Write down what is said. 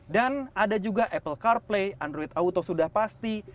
dan ada juga apple carplay android auto sudah pasti